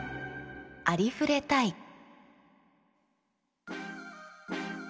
「ありふれたい」。